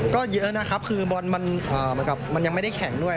ก็เยอะนะครับคือบอลมันยังไม่ได้แข็งด้วย